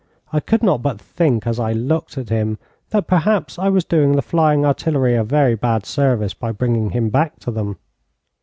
I could not but think, as I looked at him, that perhaps I was doing the Flying Artillery a very bad service by bringing him back to them.